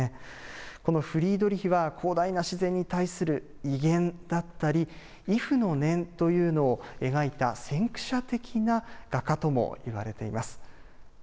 このフリードリヒは、広大な自然に対する威厳だったり、畏怖の念というのを描いた先駆者的な画家ともいわれています。